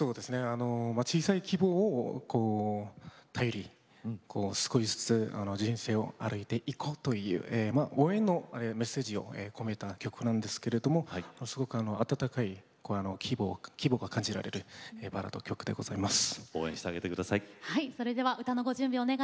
小さな希望を頼りに少しずつ人生を歩いていこうという応援のメッセージを込めた曲なんですけれどもすごく温かい希望が感じられるバラードの曲でございます。